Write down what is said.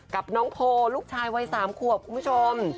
กับน้องโพลูกชายวัย๓ขวบคุณผู้ชม